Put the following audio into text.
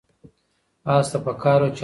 آس ته پکار وه چې حرکت وکړي.